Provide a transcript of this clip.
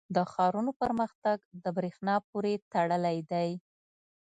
• د ښارونو پرمختګ د برېښنا پورې تړلی دی.